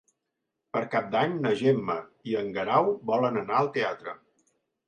Per Cap d'Any na Gemma i en Guerau volen anar al teatre.